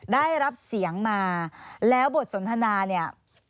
ได้รับเสียงมาแล้วบทสนทนาเนี่ย